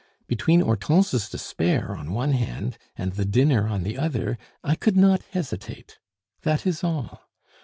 Between Hortense's despair on one hand, and the dinner on the other, I could not hesitate. That is all.